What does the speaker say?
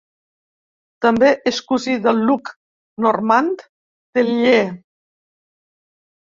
També és cosí de Luc-Normand Tellier.